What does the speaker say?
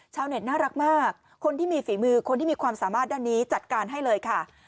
เน็ตน่ารักมากคนที่มีฝีมือคนที่มีความสามารถด้านนี้จัดการให้เลยค่ะ